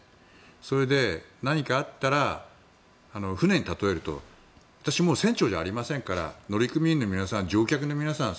それで何かあったら船に例えると私、もう船長じゃありませんから乗組員の皆さん、乗客の皆さん